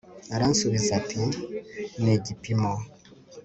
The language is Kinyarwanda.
Aransubiza ati ni igipimo